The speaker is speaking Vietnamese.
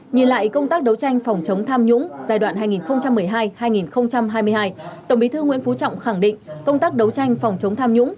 nhìn lại công tác đấu tranh phòng chống tham nhũng giai đoạn hai nghìn một mươi hai hai nghìn hai mươi hai tổng bí thư nguyễn phú trọng khẳng định công tác đấu tranh phòng chống tham nhũng